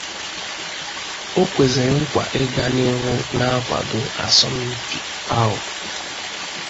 O kwezịrị nkwà ịga n'ihu na-akwàdo asọmpi ahụ